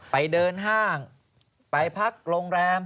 ไปเดินห้างไปพักโรงแรม